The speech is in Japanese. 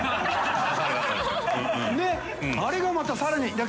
あれがまたさらに。